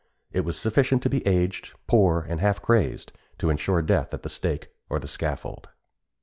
It was sufficient to be aged, poor, and half crazed, to ensure death at the stake or the scaffold.